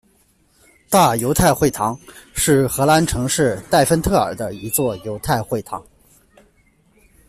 大犹太会堂是荷兰城市代芬特尔的一座犹太会堂。